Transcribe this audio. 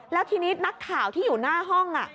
แล้วทีนี้นักข่าวที่อยู่หน้าห้อง